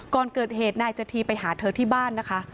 ก่อนเกิดเหตุนายจธีไปหาเธอที่บ้านนะคะ